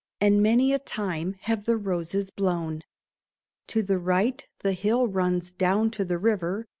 And many a time have the roses blown. To the right the hill runs down to the river.